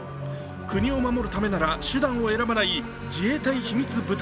国を守るためには手段を選ばない自衛隊秘密部隊。